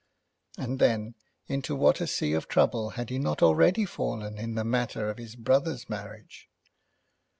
And then into what a sea of trouble had he not already fallen in this matter of his brother's marriage?